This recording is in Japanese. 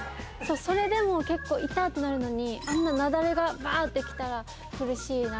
それでも結構「痛！」ってなるのにあんな雪崩がバって来たら。